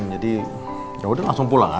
jadi yaudah langsung pulang aja